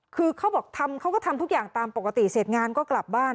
คือเขาบอกทำเขาก็ทำทุกอย่างตามปกติเสร็จงานก็กลับบ้าน